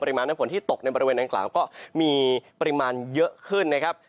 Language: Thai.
มาน้ำฝนที่ตกในบริเวณดังกล่าวก็มีปริมาณเยอะขึ้นนะครับ